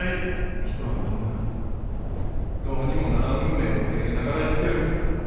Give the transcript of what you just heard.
人はみんなどうにもならん運命を受け入れながら生きてるんや。